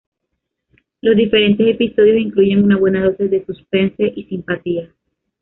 Los diferentes episodios incluyen una buena dosis de suspense y simpatía.